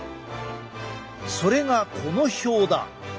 それがこの表だ。